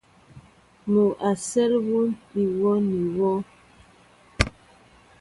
Mɔ a sέl yón í wōō ní yɔɔ.